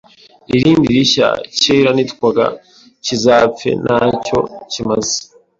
irindi rishya cyera nitwaga kizapfe ntacyo kimaze